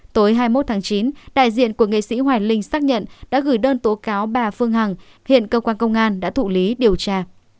tối hai mươi một tháng chín đại diện của nghệ sĩ hoài linh xác nhận đã gửi đơn tố cáo bà phương hằng hiện cơ quan công an đã thụ lý điều tra